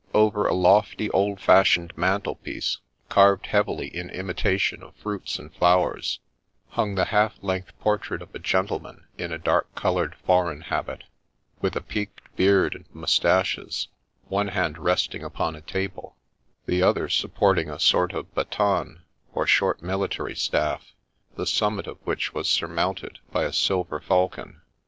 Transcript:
Over a lofty old fashioned mantelpiece, carved heavily in imitation of fruits and flowers, hung the half length portrait of a gentleman in a dark coloured foreign habit, with a peaked beard and mustaches, one hand resting upon a table, the other supporting a sort of baton, or short military staff, the summit of which was surmounted by a silver falcon.